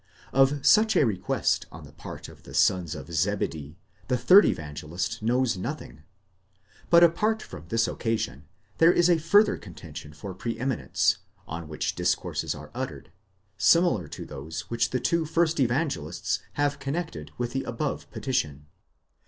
Of such a request on the part of the sons of Zebedee, the third Evangelist knows nothing ; but apart from this occasion, there is a further contention for pre eminence, on which discourses are uttered, similar to those which the two first Evangelists have connected with the above petition.